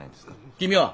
君は？